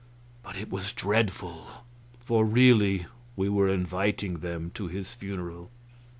But it was dreadful, for really we were inviting them to his funeral.